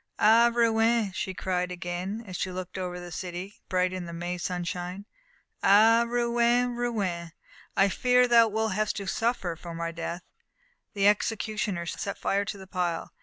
"Ah, Rouen!" she cried again, as she looked over the city, bright in the May sunshine "Ah, Rouen, Rouen! I fear thou wilt have to suffer for my death!" The executioner set fire to the pile.